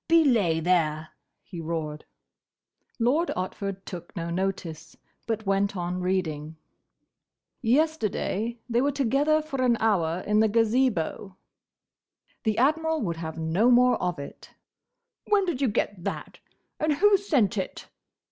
"Belay, there!" he roared. Lord Otford took no notice, but went on reading: "'Yesterday they were together for an hour in the Gazebo—'" The Admiral would have no more of it. "When did you get that, and who sent it?"